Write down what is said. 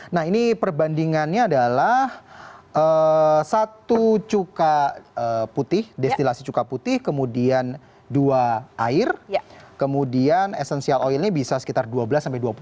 nah ini perbandingannya adalah satu cuka putih destilasi cuka putih kemudian dua air kemudian essential oil ini bisa sekitar dua belas sampai dua puluh